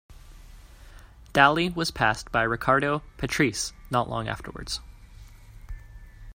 Daly was passed by Riccardo Patrese not long afterwards.